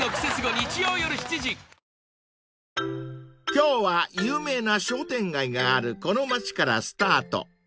［今日は有名な商店街があるこの街からスタート］